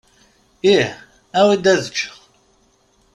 Ih. Awi-d ad eččeɣ.